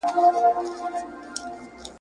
وروستۍ رڼا به دې د شپې زړه ته در ورسوم ,